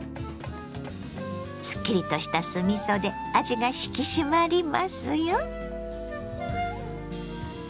すっきりとした酢みそで味が引き締まりますよ。